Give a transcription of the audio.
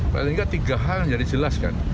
paling tidak tiga hal jadi jelas kan